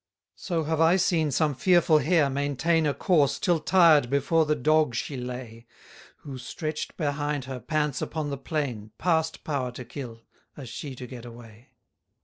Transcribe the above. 131 So have I seen some fearful hare maintain A course, till tired before the dog she lay: Who, stretch'd behind her, pants upon the plain, Past power to kill, as she to get away.